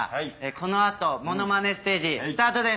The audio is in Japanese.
この後モノマネステージスタートです！